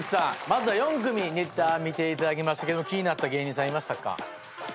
まずは４組ネタ見ていただきましたけど気になった芸人さんいましたか？